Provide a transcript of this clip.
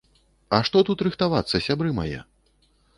А што тут рыхтавацца, сябры мае?